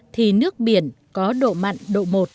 thì nước biển có độ mặn độ một